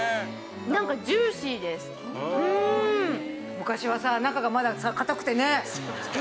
昔はさ中がまださ硬くてね。